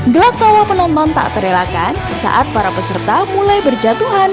gelak tawa penonton tak terelakkan saat para peserta mulai berjatuhan